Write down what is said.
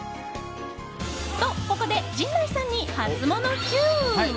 と、ここで陣内さんにハツモノＱ。